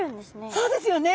そうですよね。